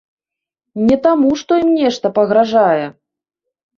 Не таму, што ім нешта пагражае.